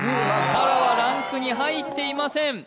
たらはランクに入っていません